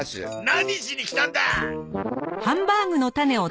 何しに来たんだーっ！